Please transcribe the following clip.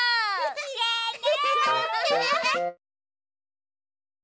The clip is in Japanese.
きれいね。